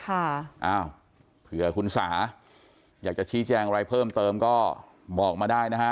อ้าวเผื่อคุณสาอยากจะชี้แจงอะไรเพิ่มเติมก็บอกมาได้นะฮะ